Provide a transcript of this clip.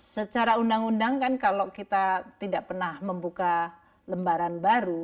secara undang undang kan kalau kita tidak pernah membuka lembaran baru